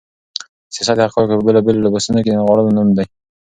سياست د حقايقو په بېلابېلو لباسونو کې د نغاړلو نوم دی.